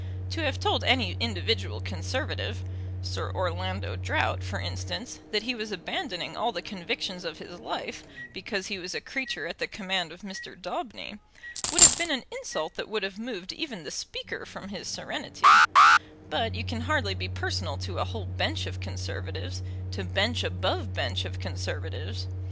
To have told any individual Conservative, Sir Orlando Drought for instance, that he was abandoning all the convictions of his life, because he was a creature at the command of Mr. Daubeny, would have been an insult that would have moved even the Speaker from his serenity; but you can hardly be personal to a whole bench of Conservatives, to bench above bench of Conservatives.